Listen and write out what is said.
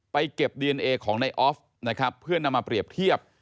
ไปเก็บดีเอนเอของในออฟเพื่อนนำมาเปรียบเทียบ